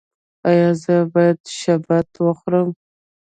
ایا زه باید شبت وخورم؟